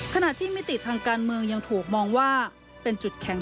ขณะที่มิติทางการเมืองยังถูกมองว่าเป็นจุดแข็ง